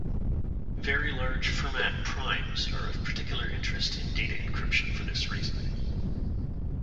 Very large Fermat primes are of particular interest in data encryption for this reason.